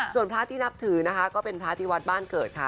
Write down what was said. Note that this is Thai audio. ส่วนพระที่นับถือนะคะก็เป็นพระที่วัดบ้านเกิดค่ะ